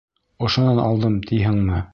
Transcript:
Ошонан алдым, тиһеңме?